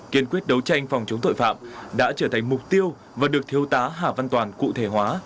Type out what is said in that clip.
kiên quyết đấu tranh phòng chống tội phạm đã trở thành mục tiêu và được thiếu tá hà văn toàn cụ thể hóa